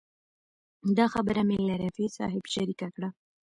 دا خبره مې له رفیع صاحب شریکه کړه.